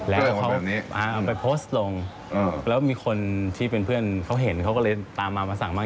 แล้วเขาเอาไปโพสต์ลงแล้วมีคนที่เป็นเพื่อนเขาเห็นเขาก็เลยตามมามาสั่งมาก